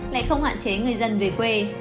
lại không hạn chế người dân về quê